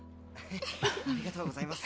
ありがとうございます。